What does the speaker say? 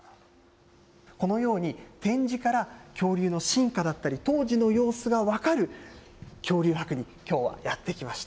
このように展示から、恐竜の進化だったり、当時の様子が分かる恐竜博に、きょうはやって来ました。